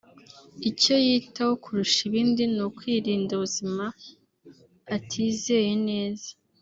icyo yitaho kurusha ibindi ni ukwirinda ubuzima atizeye neza